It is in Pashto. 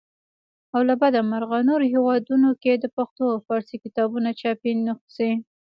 او له بده مرغه نورو هیوادونو کې د پښتو او فارسي کتابونو چاپي نخسې.